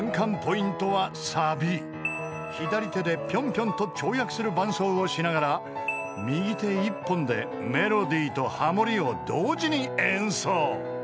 ［左手でぴょんぴょんと跳躍する伴奏をしながら右手１本でメロディーとハモリを同時に演奏］